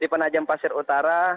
di penajam pasir utara